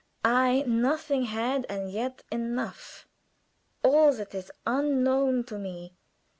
"'I nothing had, and yet enough' all that is unknown to me.